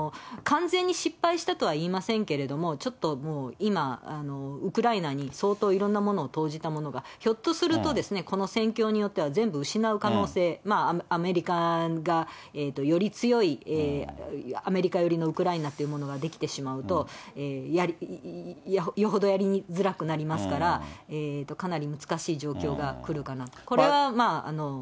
完全に失敗したとは言いませんけれども、ちょっともう、今、ウクライナに相当いろんなものを投じたものが、ひょっとすると、この戦況によっては全部失う可能性、アメリカがより強いアメリカ寄りのウクライナっていうものが出来てしまうと、よほどやりづらくなりますから、かなり難しい状況がくるかなと。